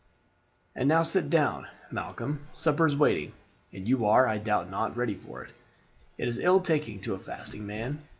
"And now sit down, Malcolm. Supper is waiting, and you are, I doubt not, ready for it. It is ill talking to a fasting man.